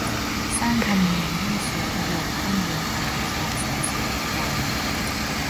สร้างธรรมเนียมให้เชื้อพระวงศ์ต้องเดินทางในคลองแสนแสบทุกวัน